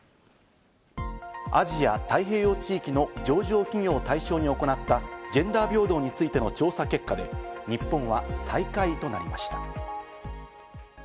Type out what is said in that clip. アジア太平洋地域の上場企業を対象に行った、ジェンダー平等についての調査結果で、日本は最下位となりました。